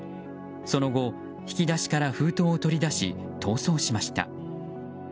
その後引き出しから封筒を取り出し逃走しました。